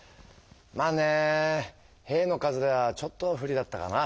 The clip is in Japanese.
まあね兵の数がちょっと不利だったかな。